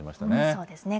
そうですね。